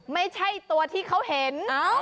ไม่ใช่ตัวที่เขาเห็น